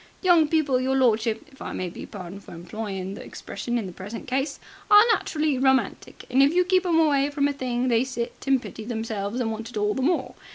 Young people, your lordship, if I may be pardoned for employing the expression in the present case, are naturally romantic and if you keep 'em away from a thing they sit and pity themselves and want it all the more.